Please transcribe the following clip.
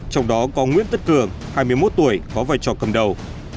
trong đó có nguyễn tất cường hai mươi một tuổi có vai trò cầm đầu